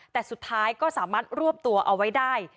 แต่สุดท้ายก็สามารถรวบตัวเอาไว้ได้